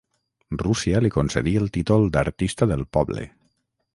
Rússia li concedí el títol d'Artista del Poble.